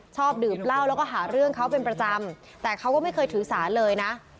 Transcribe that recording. ชอบดื่มเหล้าแล้วก็หาเรื่องเขาเป็นประจำแต่เขาก็ไม่เคยถือสารเลยนะ